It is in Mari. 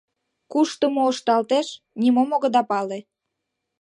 Кушто мо ышталтеш — нимом огыда пале.